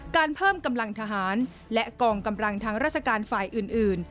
การเพิ่มกำลังทหารและกองกำลังทางราชการฝ่ายอื่น